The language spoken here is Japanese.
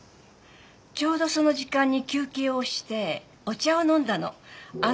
ちょうどその時間に休憩をしてお茶を飲んだの。